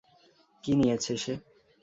কী নিয়েছে সে?